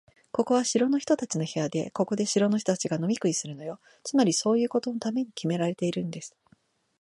ここは城の人たちの部屋で、ここで城の人たちが飲み食いするのよ。つまり、そういうことのためにきめられているんです。